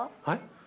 はい？